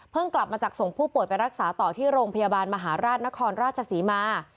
กลับมาจากส่งผู้ป่วยไปรักษาต่อที่โรงพยาบาลมหาราชนครราชศรีมา